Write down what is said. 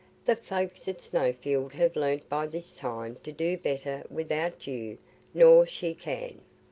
The folks at Snowfield have learnt by this time to do better wi'out you nor she can."